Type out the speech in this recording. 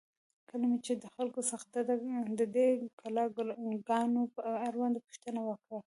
کله مې چې د خلکو څخه د دې کلا گانو په اړوند پوښتنه وکړه،